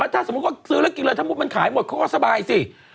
ถ้าสมมุติเค้ากินเลยมันขายหมดก็สบายสิ